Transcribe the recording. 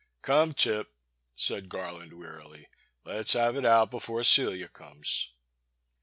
Come, Tip/' said Garland, wearily, let's have it out before Cdia comes."